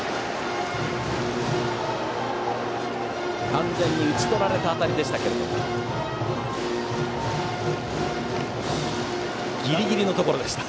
完全に打ち取られた当たりでしたがギリギリのところでした。